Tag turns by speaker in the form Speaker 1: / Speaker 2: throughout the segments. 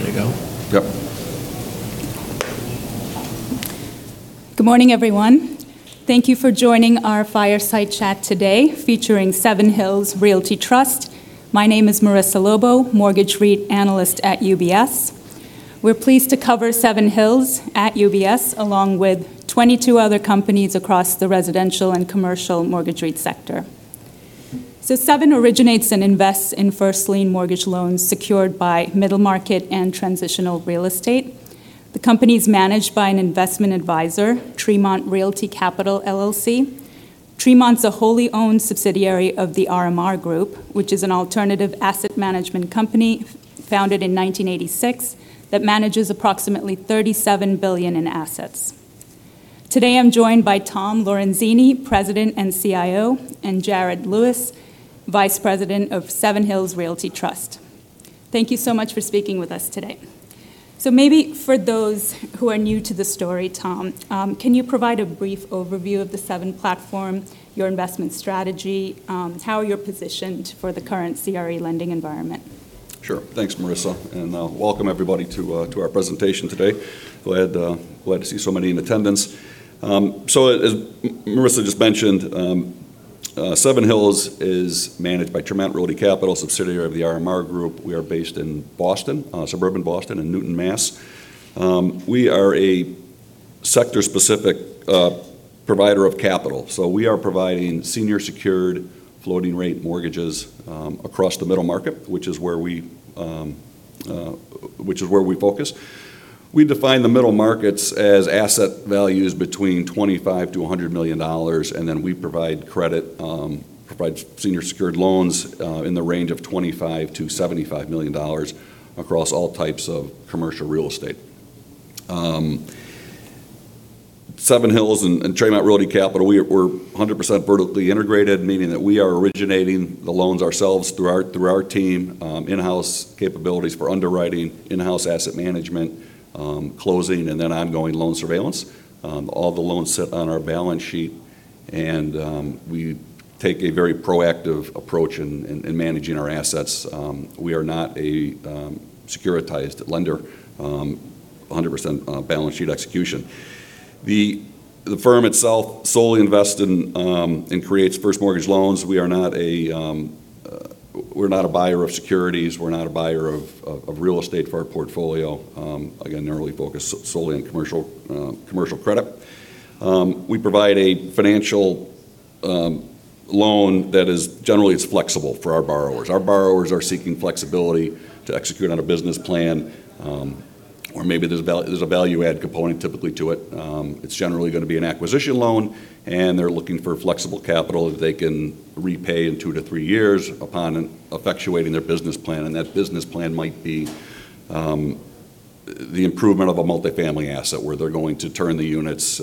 Speaker 1: Good morning, everyone. Thank you for joining our fireside chat today featuring Seven Hills Realty Trust. My name is Marisa Lobo, Mortgage REIT analyst at UBS. We're pleased to cover Seven Hills at UBS, along with 22 other companies across the residential and commercial mortgage REIT sector. Seven originates and invests in first-lien mortgage loans secured by middle-market and transitional real estate. The company is managed by an investment advisor, Tremont Realty Capital LLC. Tremont's a wholly owned subsidiary of The RMR Group, which is an alternative asset management company founded in 1986 that manages approximately $37 billion in assets. Today, I'm joined by Thomas Lorenzini, President and CIO, and Jared Lewis, Vice President of Seven Hills Realty Trust. Thank you so much for speaking with us today. Maybe for those who are new to the story, Tom, can you provide a brief overview of the Seven platform, your investment strategy, how you're positioned for the current CRE lending environment?
Speaker 2: Sure. Thanks, Marisa, and welcome everybody to our presentation today. Glad to see so many in attendance. As Marisa just mentioned, Seven Hills is managed by Tremont Realty Capital, a subsidiary of The RMR Group. We are based in Boston, suburban Boston, in Newton, Mass. We are a sector-specific provider of capital. We are providing senior secured floating-rate mortgages across the middle market, which is where we focus. We define the middle markets as asset values between $25 million-$100 million. We provide credit, provide senior secured loans in the range of $25 million-$75 million across all types of commercial real estate. Seven Hills and Tremont Realty Capital, we're 100% vertically integrated, meaning that we are originating the loans ourselves through our team, in-house capabilities for underwriting, in-house asset management, closing, and then ongoing loan surveillance. All the loans sit on our balance sheet, and we take a very proactive approach in managing our assets. We are not a securitized lender, 100% balance sheet execution. The firm itself solely invests in and creates first mortgage loans. We're not a buyer of securities. We're not a buyer of real estate for our portfolio. Again, narrowly focused solely on commercial credit. We provide a financial loan that is generally flexible for our borrowers. Our borrowers are seeking flexibility to execute on a business plan, or maybe there's a value-add component typically to it. It's generally going to be an acquisition loan, and they're looking for flexible capital that they can repay in two-three years upon effectuating their business plan. That business plan might be the improvement of a multifamily asset where they're going to turn the units,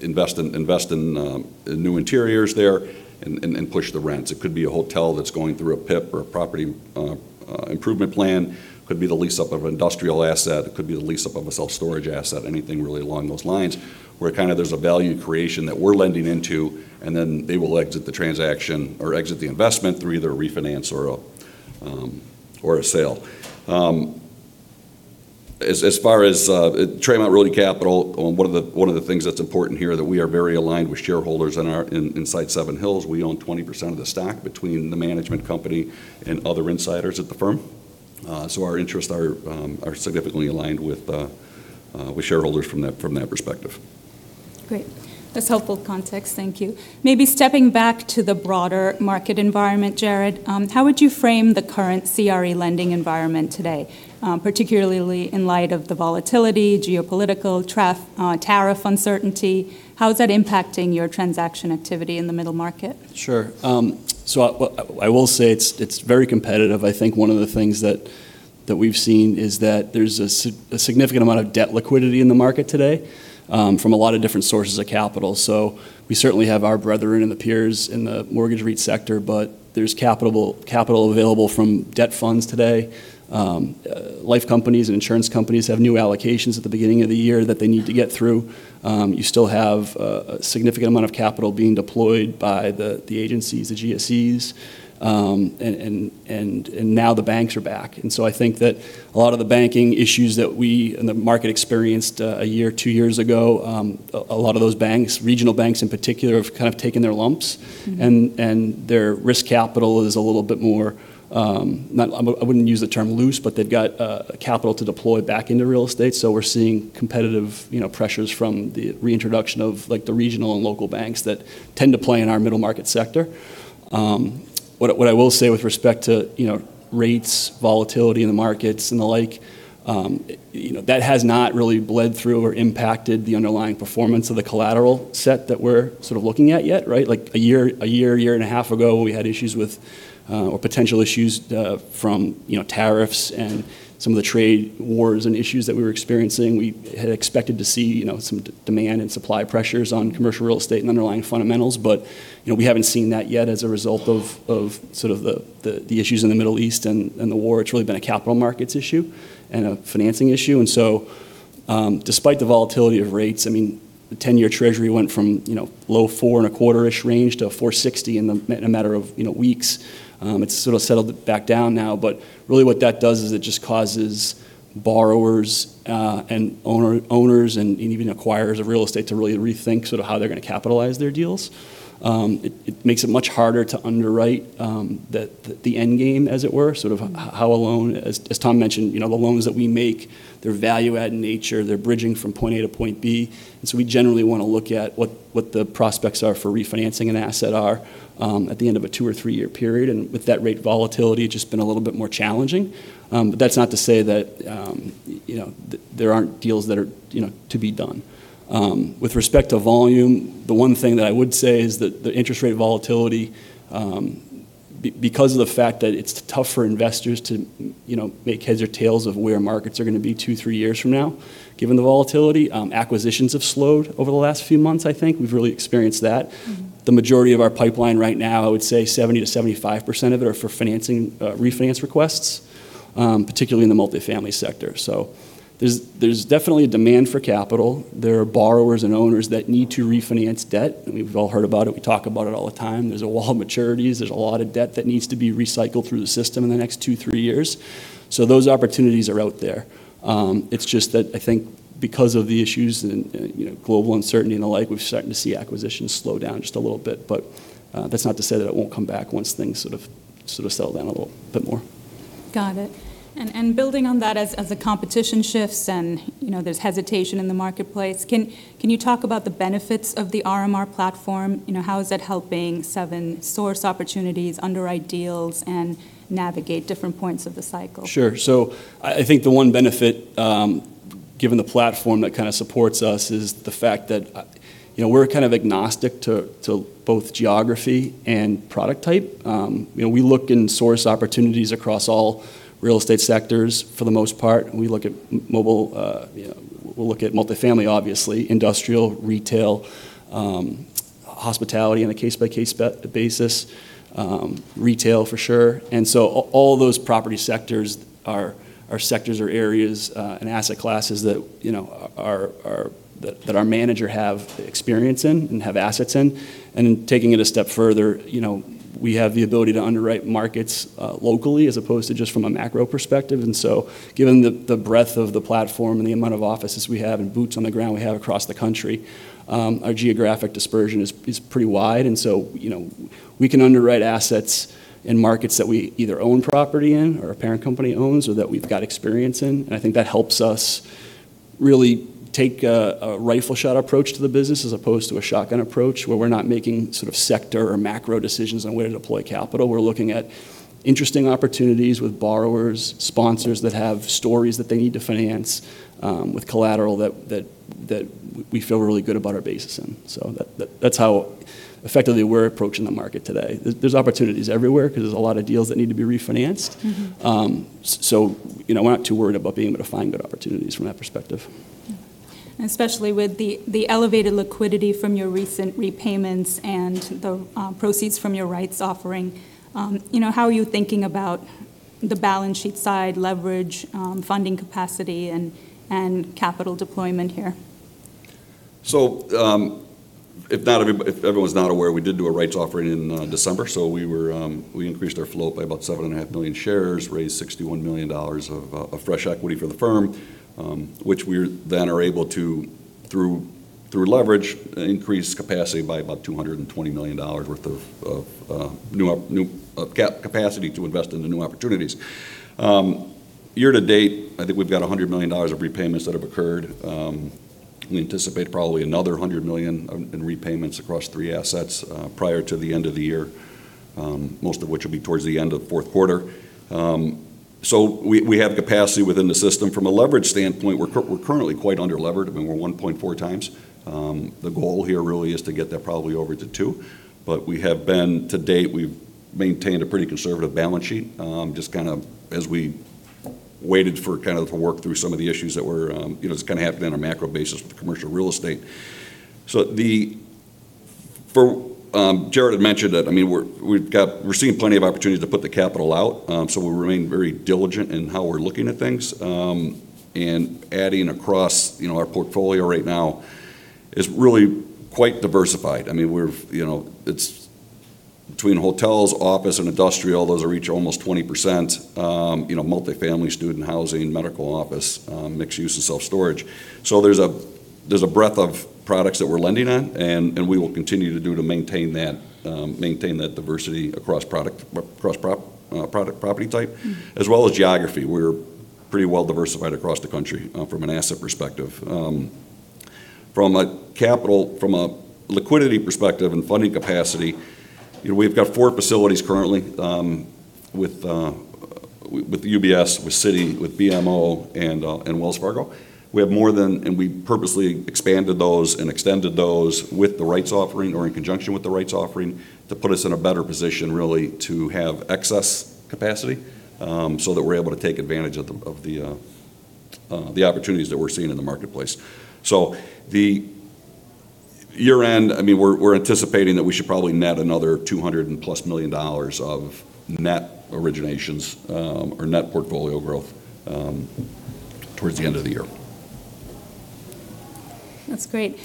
Speaker 2: invest in new interiors there, and push the rents. It could be a hotel that's going through a PIP or a property improvement plan. It could be the lease-up of an industrial asset. It could be the lease-up of a self-storage asset. Anything really along those lines, where there's a value creation that we're lending into, and then they will exit the transaction or exit the investment through either a refinance or a sale. As far as Tremont Realty Capital, one of the things that's important here that we are very aligned with shareholders inside Seven Hills. We own 20% of the stock between the management company and other insiders at the firm. Our interests are significantly aligned with shareholders from that perspective.
Speaker 1: Great. That's helpful context. Thank you. Maybe stepping back to the broader market environment, Jared, how would you frame the current CRE lending environment today, particularly in light of the volatility, geopolitical tariff uncertainty? How is that impacting your transaction activity in the middle market?
Speaker 3: Sure. I will say it's very competitive. I think one of the things that we've seen is that there's a significant amount of debt liquidity in the market today from a lot of different sources of capital. We certainly have our brethren and the peers in the mortgage REIT sector, but there's capital available from debt funds today. Life companies and insurance companies have new allocations at the beginning of the year that they need to get through. You still have a significant amount of capital being deployed by the agencies, the GSEs, and now the banks are back. I think that a lot of the banking issues that we in the market experienced a year, two years ago a lot of those banks, regional banks in particular, have taken their lumps and their risk capital is a little bit more I wouldn't use the term loose, but they've got capital to deploy back into real estate. We're seeing competitive pressures from the reintroduction of the regional and local banks that tend to play in our middle market sector. What I will say with respect to rates, volatility in the markets, and the like, that has not really bled through or impacted the underlying performance of the collateral set that we're looking at yet, right? A year, a year and a half ago, we had issues with, or potential issues from tariffs and some of the trade wars and issues that we were experiencing. We had expected to see some demand and supply pressures on commercial real estate and underlying fundamentals. We haven't seen that yet as a result of the issues in the Middle East and the war. It's really been a capital markets issue and a financing issue. Despite the volatility of rates, the 10-year Treasury went from low 4.25-ish range to 460 in a matter of weeks. It's sort of settled back down now, but really what that does is it just causes borrowers and owners and even acquirers of real estate to really rethink how they're going to capitalize their deals. It makes it much harder to underwrite the end game, as it were. As Tom mentioned, the loans that we make, they're value-add in nature. They're bridging from point A to point B. We generally want to look at what the prospects are for refinancing an asset are at the end of a two or three-year period. With that rate volatility, it's just been a little bit more challenging. That's not to say that there aren't deals that are to be done. With respect to volume, the one thing that I would say is that the interest rate volatility, because of the fact that it's tough for investors to make heads or tails of where markets are going to be two, three years from now, given the volatility, acquisitions have slowed over the last few months, I think. We've really experienced that. The majority of our pipeline right now, I would say 70%-75% of it are for refinance requests, particularly in the multifamily sector. There's definitely a demand for capital. There are borrowers and owners that need to refinance debt. We've all heard about it. We talk about it all the time. There's a wall of maturities. There's a lot of debt that needs to be recycled through the system in the next two, three years. Those opportunities are out there. It's just that I think because of the issues and global uncertainty and the like, we're starting to see acquisitions slow down just a little bit. That's not to say that it won't come back once things sort of settle down a little bit more.
Speaker 1: Got it. Building on that, as the competition shifts and there's hesitation in the marketplace, can you talk about the benefits of the RMR platform? How is that helping Seven source opportunities, underwrite deals, and navigate different points of the cycle?
Speaker 3: Sure. I think the one benefit, given the platform that kind of supports us, is the fact that we're kind of agnostic to both geography and product type. We look in source opportunities across all real estate sectors for the most part. We'll look at multifamily, obviously, industrial, retail, hospitality on a case-by-case basis. Retail, for sure. All those property sectors are sectors or areas and asset classes that our manager have experience in and have assets in. Taking it a step further, we have the ability to underwrite markets locally as opposed to just from a macro perspective. Given the breadth of the platform and the amount of offices we have and boots on the ground we have across the country, our geographic dispersion is pretty wide. We can underwrite assets in markets that we either own property in or our parent company owns or that we've got experience in. I think that helps us really take a rifle shot approach to the business as opposed to a shotgun approach, where we're not making sort of sector or macro decisions on where to deploy capital. We're looking at interesting opportunities with borrowers, sponsors that have stories that they need to finance with collateral that we feel really good about our basis in. That's how effectively we're approaching the market today. There's opportunities everywhere because there's a lot of deals that need to be refinanced. We're not too worried about being able to find good opportunities from that perspective.
Speaker 1: Especially with the elevated liquidity from your recent repayments and the proceeds from your rights offering. How are you thinking about the balance sheet side leverage, funding capacity, and capital deployment here?
Speaker 2: If everyone's not aware, we did do a rights offering in December. We increased our float by about 7.5 million shares, raised $61 million of fresh equity for the firm, which we then are able to, through leverage, increase capacity by about $220 million worth of new capacity to invest into new opportunities. Year to date, I think we've got $100 million of repayments that have occurred. We anticipate probably another $100 million in repayments across three assets prior to the end of the year, most of which will be towards the end of the fourth quarter. We have capacity within the system. From a leverage standpoint, we're currently quite under-levered. We're 1.4x. The goal here really is to get that probably over to 2x. We have been, to date, we've maintained a pretty conservative balance sheet, just as we waited to work through some of the issues that were just happening on a macro basis with commercial real estate. Jared had mentioned that we're seeing plenty of opportunities to put the capital out. We remain very diligent in how we're looking at things. Adding across our portfolio right now is really quite diversified. Between hotels, office, and industrial, those are each almost 20%. Multifamily, student housing, medical office, mixed use, and self-storage. There's a breadth of products that we're lending on, and we will continue to do to maintain that diversity across property type, as well as geography. We're pretty well-diversified across the country from an asset perspective. From a liquidity perspective and funding capacity, we've got four facilities currently with UBS, with Citi, with BMO, and Wells Fargo. We purposely expanded those and extended those with the rights offering or in conjunction with the rights offering to put us in a better position, really, to have excess capacity so that we're able to take advantage of the opportunities that we're seeing in the marketplace. The year-end, we're anticipating that we should probably net another $200+ million of net originations or net portfolio growth towards the end of the year.
Speaker 1: That's great.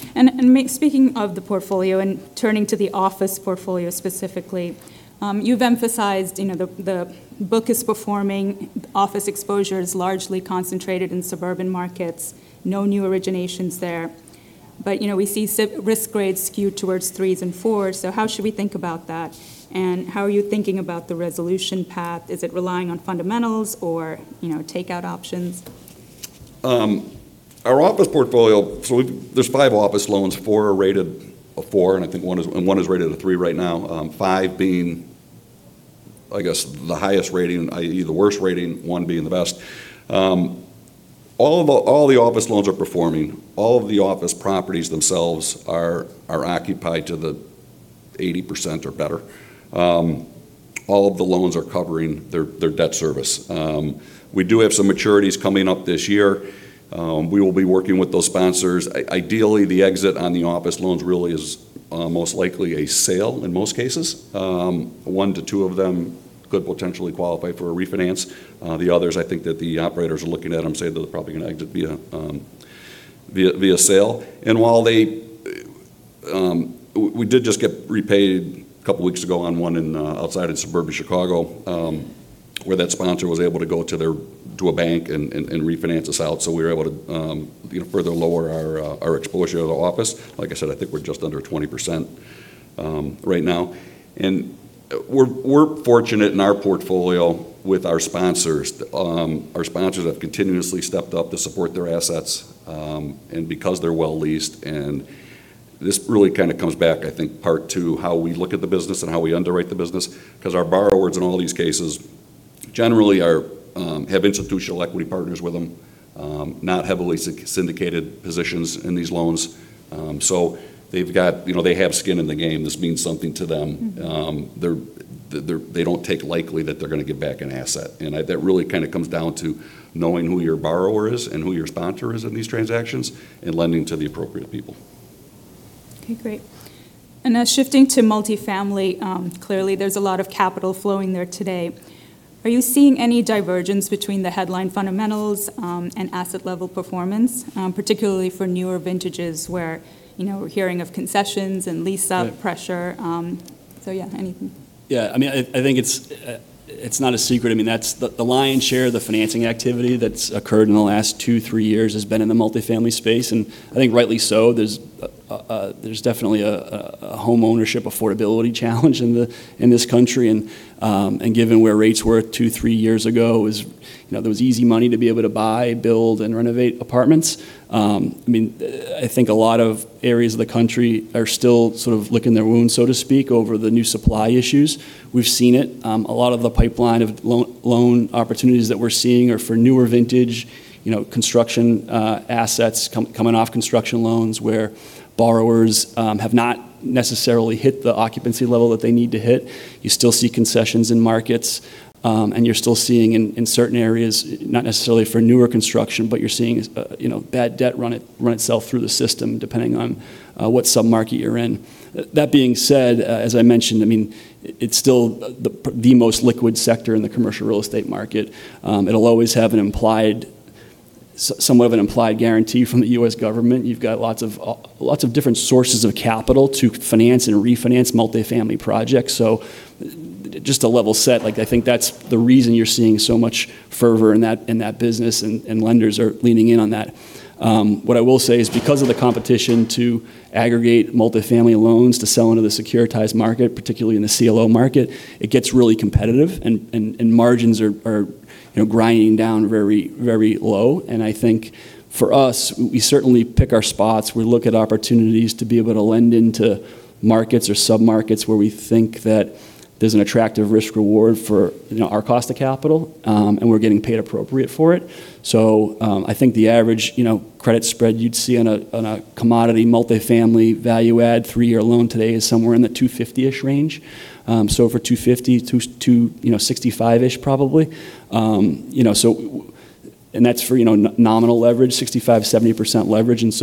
Speaker 1: Speaking of the portfolio and turning to the office portfolio specifically, you've emphasized the book is performing, office exposure is largely concentrated in suburban markets, no new originations there. We see risk grades skewed towards 3s and 4s, so how should we think about that, and how are you thinking about the resolution path? Is it relying on fundamentals or takeout options?
Speaker 2: Our office portfolio, there's five office loans. Four are rated a four, I think one is rated a three right now. Five being, I guess, the highest rating, i.e., the worst rating, one being the best. All the office loans are performing. All of the office properties themselves are occupied to the 80% or better. All of the loans are covering their debt service. We do have some maturities coming up this year. We will be working with those sponsors. Ideally, the exit on the office loans really is most likely a sale in most cases. One to two of them could potentially qualify for a refinance. The others, I think that the operators are looking at them, saying they're probably going to exit via sale. While we did just get repaid a couple of weeks ago on one outside in suburban Chicago, where that sponsor was able to go to a bank and refinance us out, we were able to further lower our exposure to office. Like I said, I think we're just under 20% right now. We're fortunate in our portfolio with our sponsors. Our sponsors have continuously stepped up to support their assets. Because they're well-leased, and this really comes back, I think, part to how we look at the business and how we underwrite the business, because our borrowers in all these cases generally have institutional equity partners with them, not heavily syndicated positions in these loans. They have skin in the game. This means something to them. They don't take lightly that they're going to get back an asset. That really comes down to knowing who your borrower is and who your sponsor is in these transactions, and lending to the appropriate people.
Speaker 1: Okay, great. Now shifting to multifamily, clearly, there's a lot of capital flowing there today. Are you seeing any divergence between the headline fundamentals and asset level performance? Particularly for newer vintages where we're hearing of concessions and lease-up pressure, yeah, anything.
Speaker 3: Yeah. I think it's not a secret. The lion's share of the financing activity that's occurred in the last two, three years has been in the multifamily space, and I think rightly so. There's definitely a homeownership affordability challenge in this country, and given where rates were two, three years ago, there was easy money to be able to buy, build, and renovate apartments. I think a lot of areas of the country are still sort of licking their wounds, so to speak, over the new supply issues. We've seen it. A lot of the pipeline of loan opportunities that we're seeing are for newer vintage construction assets coming off construction loans where borrowers have not necessarily hit the occupancy level that they need to hit. You still see concessions in markets, and you're still seeing in certain areas, not necessarily for newer construction, but you're seeing bad debt run itself through the system, depending on what sub-market you're in. That being said, as I mentioned, it's still the most liquid sector in the commercial real estate market. It'll always have somewhat of an implied guarantee from the U.S. government. You've got lots of different sources of capital to finance and refinance multifamily projects. Just to level set, I think that's the reason you're seeing so much fervor in that business, and lenders are leaning in on that. What I will say is because of the competition to aggregate multifamily loans to sell into the securitized market, particularly in the CLO market, it gets really competitive, and margins are grinding down very low. I think for us, we certainly pick our spots. We look at opportunities to be able to lend into markets or sub-markets where we think that there's an attractive risk-reward for our cost of capital, and we're getting paid appropriate for it. I think the average credit spread you'd see on a commodity multifamily value-add three-year loan today is somewhere in the 250-ish range. Over 250 to 265-ish probably. That's for nominal leverage, 65%, 70% leverage.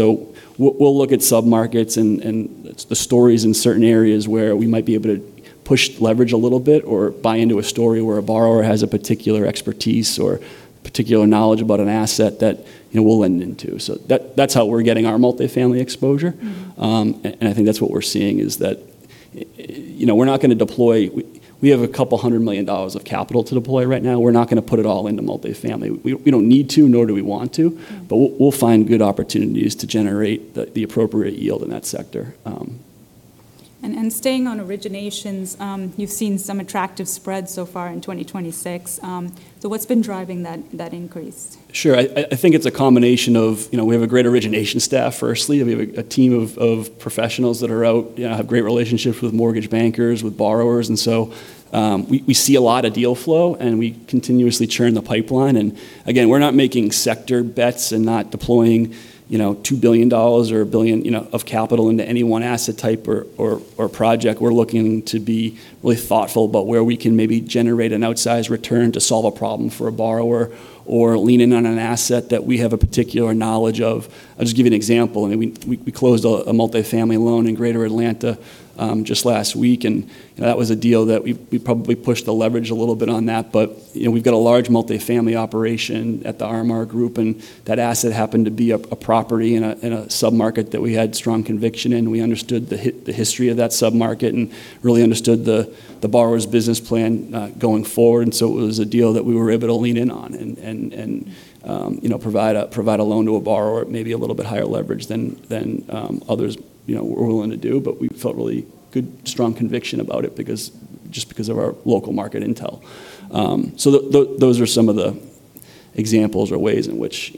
Speaker 3: We'll look at sub-markets and the stories in certain areas where we might be able to push leverage a little bit or buy into a story where a borrower has a particular expertise or particular knowledge about an asset that we'll lend into. That's how we're getting our multifamily exposure. I think that's what we're seeing is that we're not going to deploy. We have a couple of hundred million dollars of capital to deploy right now. We're not going to put it all into multifamily. We don't need to, nor do we want to. We'll find good opportunities to generate the appropriate yield in that sector.
Speaker 1: Staying on originations, you've seen some attractive spreads so far in 2026. What's been driving that increase?
Speaker 3: Sure. I think it's a combination of, we have a great origination staff, firstly. We have a team of professionals that are out, have great relationships with mortgage bankers, with borrowers, and so we see a lot of deal flow and we continuously churn the pipeline. Again, we're not making sector bets and not deploying $2 billion or $1 billion of capital into any one asset type or project. We're looking to be really thoughtful about where we can maybe generate an outsized return to solve a problem for a borrower or lean in on an asset that we have a particular knowledge of. I'll just give you an example. We closed a multifamily loan in Greater Atlanta just last week, and that was a deal that we probably pushed the leverage a little bit on that. We've got a large multifamily operation at The RMR Group, and that asset happened to be a property in a sub-market that we had strong conviction in. We understood the history of that sub-market and really understood the borrower's business plan going forward. It was a deal that we were able to lean in on and provide a loan to a borrower at maybe a little bit higher leverage than others were willing to do. We felt really good, strong conviction about it just because of our local market intel. Those are some of the examples or ways in which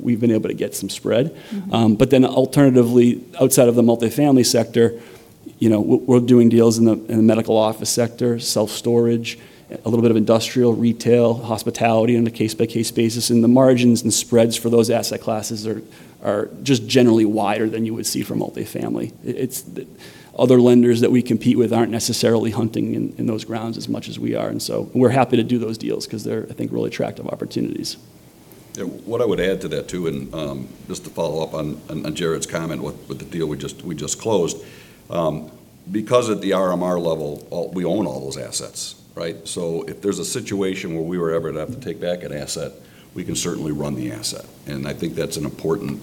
Speaker 3: we've been able to get some spread. Alternatively, outside of the multifamily sector, we're doing deals in the medical office sector, self-storage, a little bit of industrial, retail, hospitality on a case-by-case basis. The margins and spreads for those asset classes are just generally wider than you would see for multifamily. Other lenders that we compete with aren't necessarily hunting in those grounds as much as we are, and so we're happy to do those deals because they're, I think, really attractive opportunities.
Speaker 2: What I would add to that too, just to follow up on Jared's comment with the deal we just closed. At the RMR level, we own all those assets, right? If there's a situation where we were ever to have to take back an asset, we can certainly run the asset. I think that's an important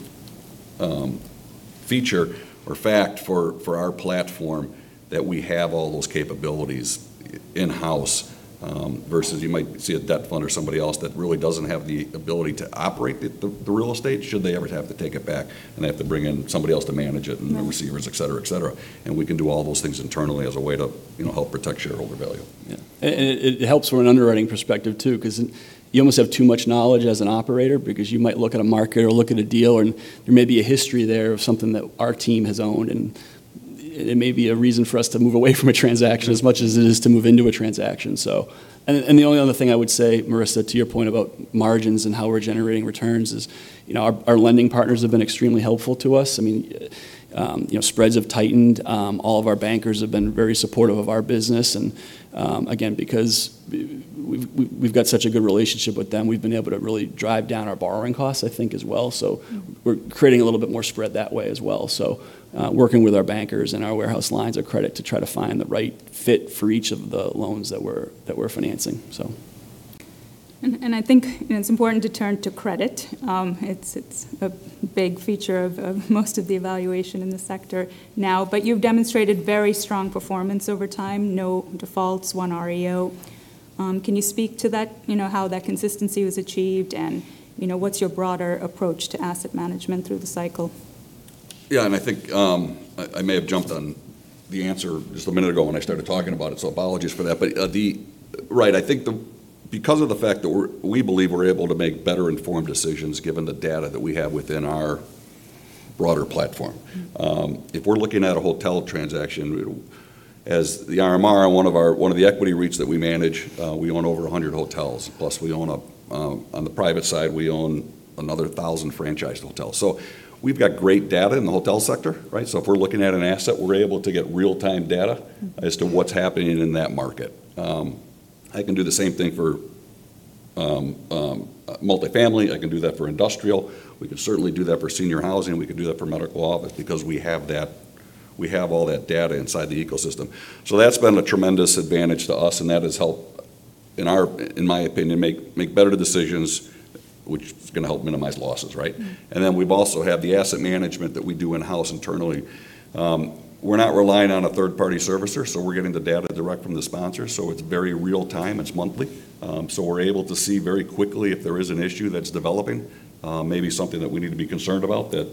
Speaker 2: feature or fact for our platform that we have all those capabilities in-house. Versus you might see a debt fund or somebody else that really doesn't have the ability to operate the real estate should they ever have to take it back and they have to bring in somebody else to manage it.
Speaker 1: Right
Speaker 2: receivers, et cetera. We can do all those things internally as a way to help protect shareholder value.
Speaker 3: Yeah. It helps from an underwriting perspective too, because you almost have too much knowledge as an operator because you might look at a market or look at a deal and there may be a history there of something that our team has owned. It may be a reason for us to move away from a transaction as much as it is to move into a transaction. The only other thing I would say, Marisa, to your point about margins and how we're generating returns is, our lending partners have been extremely helpful to us. Spreads have tightened. All of our bankers have been very supportive of our business. Again, because we've got such a good relationship with them, we've been able to really drive down our borrowing costs, I think, as well. We're creating a little bit more spread that way as well. Working with our bankers and our warehouse lines of credit to try to find the right fit for each of the loans that we're financing.
Speaker 1: I think it's important to turn to credit. It's a big feature of most of the evaluation in the sector now, but you've demonstrated very strong performance over time. No defaults, one REO. Can you speak to that, how that consistency was achieved, and what's your broader approach to asset management through the cycle?
Speaker 2: I think I may have jumped on the answer just a minute ago when I started talking about it, so apologies for that. Right, I think because of the fact that we believe we're able to make better-informed decisions given the data that we have within our broader platform. If we're looking at a hotel transaction as the RMR on one of the equity REITs that we manage, we own over 100 hotels. Plus, we own on the private side, we own another 1,000 franchised hotels. We've got great data in the hotel sector, right? If we're looking at an asset, we're able to get real-time data as to what's happening in that market. I can do the same thing for multifamily. I can do that for industrial. We can certainly do that for senior housing. We can do that for medical office because we have all that data inside the ecosystem. That's been a tremendous advantage to us, and that has helped, in my opinion, make better decisions, which is going to help minimize losses, right? We've also had the asset management that we do in-house internally. We're not relying on a third-party servicer, we're getting the data direct from the sponsor. It's very real time. It's monthly. We're able to see very quickly if there is an issue that's developing, maybe something that we need to be concerned about that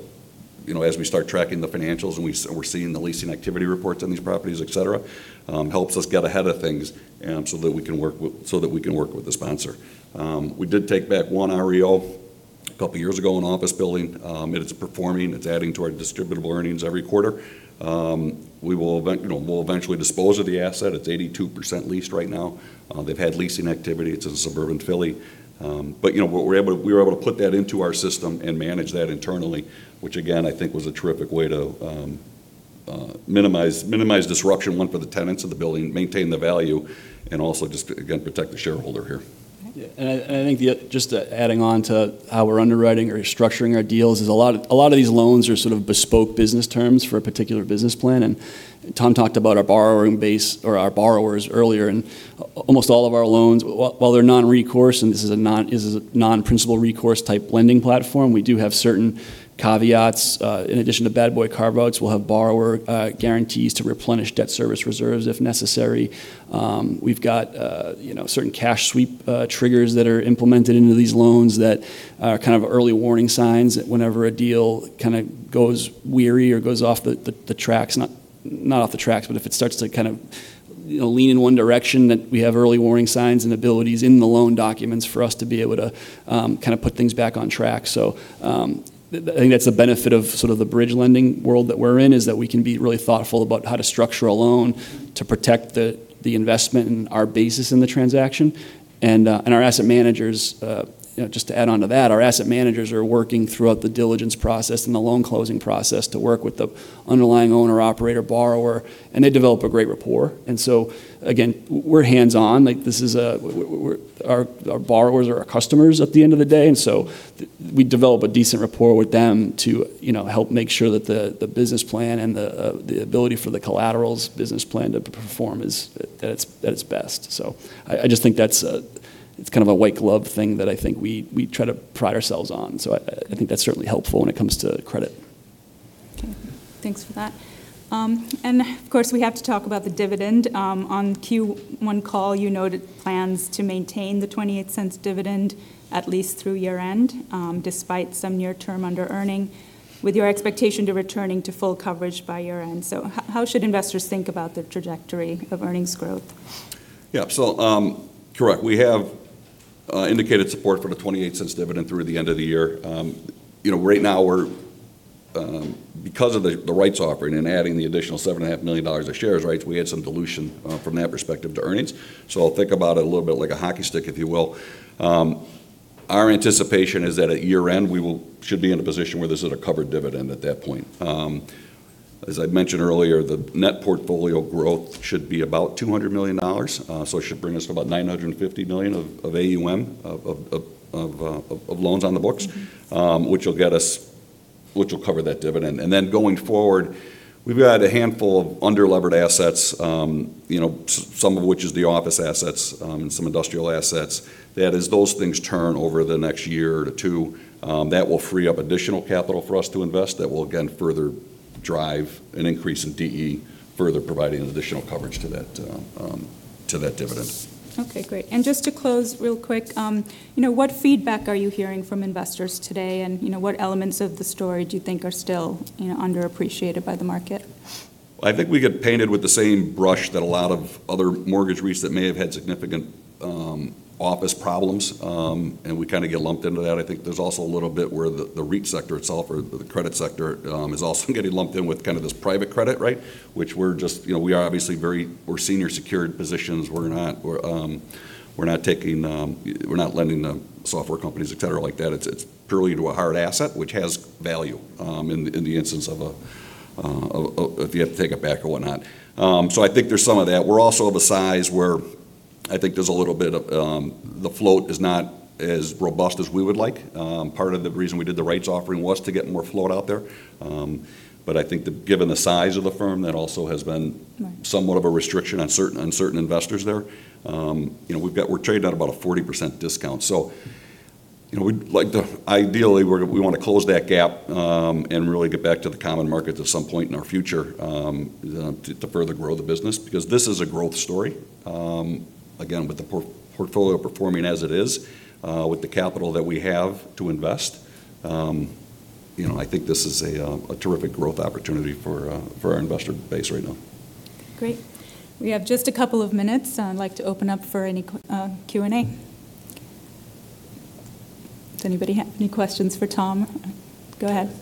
Speaker 2: as we start tracking the financials and we're seeing the leasing activity reports on these properties, et cetera, helps us get ahead of things so that we can work with the sponsor. We did take back one REO a couple of years ago, an office building. It's performing. It's adding to our distributable earnings every quarter. We'll eventually dispose of the asset. It's 82% leased right now. They've had leasing activity. It's in suburban Philly. We were able to put that into our system and manage that internally, which again, I think, was a terrific way to minimize disruption, one for the tenants of the building, maintain the value, and also just, again, protect the shareholder here.
Speaker 3: Yeah. I think just adding on to how we're underwriting or structuring our deals is a lot of these loans are sort of bespoke business terms for a particular business plan. Tom talked about our borrowing base or our borrowers earlier, almost all of our loans, while they're non-recourse, and this is a non-principal recourse type lending platform, we do have certain caveats. In addition to bad boy carve-outs, we'll have borrower guarantees to replenish debt service reserves if necessary. We've got certain cash sweep triggers that are implemented into these loans that are kind of early warning signs whenever a deal kind of goes weary or goes off the tracks. Not off the tracks, but if it starts to kind of lean in one direction, that we have early warning signs and abilities in the loan documents for us to be able to put things back on track. I think that's the benefit of the bridge lending world that we're in, is that we can be really thoughtful about how to structure a loan to protect the investment and our basis in the transaction. Our asset managers, just to add onto that, are working throughout the diligence process and the loan closing process to work with the underlying owner/operator borrower, and they develop a great rapport. Again, we're hands-on. Our borrowers are our customers at the end of the day. We develop a decent rapport with them to help make sure that the business plan and the ability for the collateral's business plan to perform at its best. I just think that's a white-glove thing that I think we try to pride ourselves on. I think that's certainly helpful when it comes to credit.
Speaker 1: Okay. Thanks for that. Of course, we have to talk about the dividend. On Q1 call, you noted plans to maintain the $0.28 dividend at least through year-end, despite some near-term underearning, with your expectation to returning to full coverage by year-end. How should investors think about the trajectory of earnings growth?
Speaker 2: Yeah. Correct. We have indicated support for the $0.28 dividend through the end of the year. Right now, because of the rights offering and adding the additional $7.5 million of shares rights, we had some dilution from that perspective to earnings. Think about it a little bit like a hockey stick, if you will. Our anticipation is that at year-end, we should be in a position where there's a covered dividend at that point. As I mentioned earlier, the net portfolio growth should be about $200 million. It should bring us to about $950 million of AUM of loans on the books, which will cover that dividend. Going forward, we've got a handful of underlevered assets, some of which is the office assets and some industrial assets, that as those things turn over the next year or two, that will free up additional capital for us to invest. That will, again, further drive an increase in DE, further providing additional coverage to that dividend.
Speaker 1: Just to close real quick, what feedback are you hearing from investors today, and what elements of the story do you think are still underappreciated by the market?
Speaker 2: I think we get painted with the same brush that a lot of other mortgage REITs that may have had significant office problems, and we kind of get lumped into that. I think there's also a little bit where the REIT sector itself, or the credit sector, is also getting lumped in with this private credit. We are obviously very senior secured positions. We're not lending to software companies, et cetera, like that. It's purely to a hard asset, which has value in the instance of if you have to take it back or whatnot. I think there's some of that. We're also of a size where I think there's a little bit of the float is not as robust as we would like. Part of the reason we did the rights offering was to get more float out there. I think that given the size of the firm, that also has been.
Speaker 1: Right
Speaker 2: somewhat of a restriction on certain investors there. We're trading at about a 40% discount. Ideally, we want to close that gap and really get back to the common markets at some point in our future to further grow the business, because this is a growth story. Again, with the portfolio performing as it is, with the capital that we have to invest, I think this is a terrific growth opportunity for our investor base right now.
Speaker 1: Great. We have just a couple of minutes. I'd like to open up for any Q&A. Does anybody have any questions for Tom? Go ahead.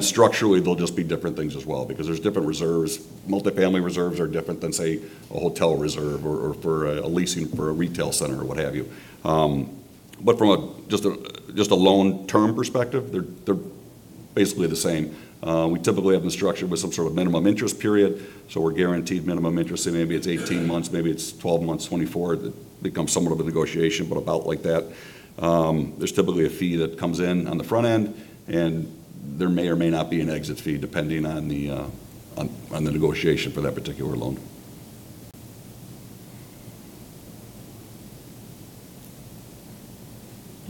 Speaker 2: Structurally, they'll just be different things as well because there's different reserves. Multifamily reserves are different than, say, a hotel reserve, or for a leasing for a retail center, or what have you. From just a loan term perspective, they're basically the same. We typically have them structured with some sort of minimum interest period. We're guaranteed minimum interest. Maybe it's 18 months, maybe it's 12 months, 24. That becomes somewhat of a negotiation, but about like that. There's typically a fee that comes in on the front end, and there may or may not be an exit fee, depending on the negotiation for that particular loan.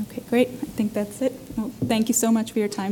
Speaker 1: Okay, great. I think that's it. Well, thank you so much for your time